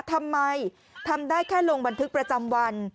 ทำไมทำได้แค่ลงบันทึกประจำวัน